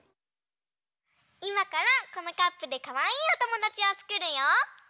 いまからこのカップでかわいいおともだちをつくるよ。